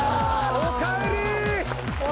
おかえりー！